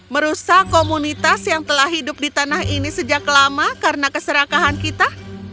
merusak komunitas yang telah hidup di tanah ini sejak lama karena keserakahan kita